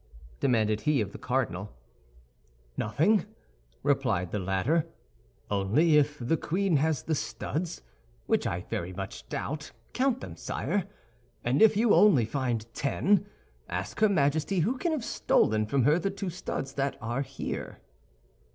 demanded he of the cardinal. "Nothing," replied the latter; "only, if the queen has the studs, which I very much doubt, count them, sire, and if you only find ten, ask her Majesty who can have stolen from her the two studs that are here."